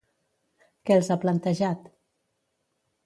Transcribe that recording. Què els ha plantejat?